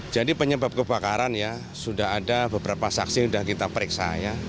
jadi penyebab kebakaran ya sudah ada beberapa saksi yang sudah kita periksa